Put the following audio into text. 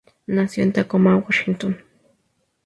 Nació en Tacoma, Washington.